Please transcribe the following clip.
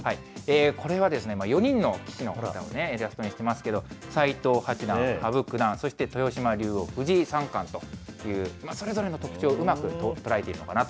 これは、４人の棋士の方がいますね、イラストですけれども、斎藤八段、羽生九段、そして豊島竜王、藤井三冠という、それぞれの特徴、うまく捉えているのかなと。